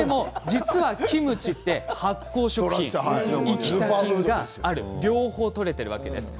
実はキムチは発酵食品生きた菌がある両方とれているわけです。